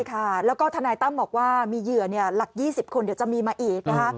ค่ะแล้วก็ทนายตั้มบอกว่ามีเหยื่อหลัก๒๐คนเดี๋ยวจะมีมาอีกนะคะ